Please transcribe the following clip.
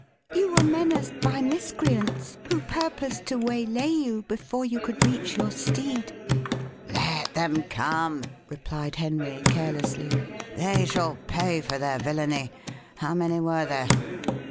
"You were menaced by miscreants, who purposed to waylay you before you could reach your steed." "Let them come," replied Henry carelessly; "they shall pay for their villainy. How many were there?"